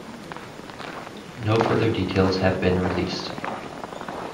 No further details have been released.